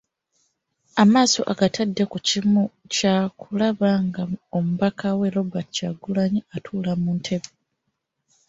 Amaaso agatadde ku kimu kyakulaba nga Mukama we, Robert Kyagulanyi atuula mu ntebe.